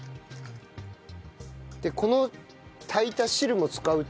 この炊いた汁も使う。